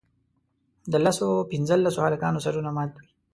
د لسو پینځلسو هلکانو سرونه مات وي.